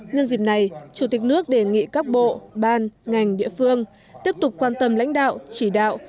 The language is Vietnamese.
nhân dịp này chủ tịch nước đề nghị các bộ ban ngành địa phương tiếp tục quan tâm lãnh đạo chỉ đạo